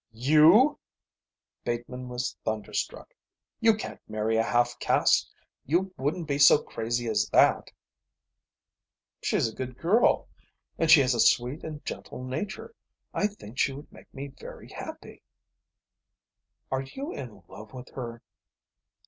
"You?" Bateman was thunderstruck. "You can't marry a half caste. You wouldn't be so crazy as that." "She's a good girl, and she has a sweet and gentle nature. I think she would make me very happy." "Are you in love with her?"